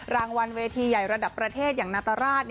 รางวัลเวทีใหญ่ระดับประเทศอย่างนาตราช